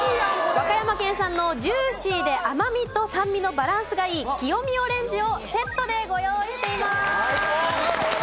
和歌山県産のジューシーで甘みと酸味のバランスがいい清見オレンジをセットでご用意しています。